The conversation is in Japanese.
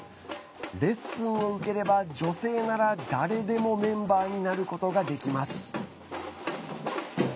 レッスンを受ければ女性なら誰でもメンバーになることができます。